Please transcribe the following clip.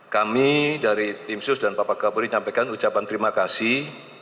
kami dari tim sus dan bapak kapolri menyampaikan ucapan terima kasih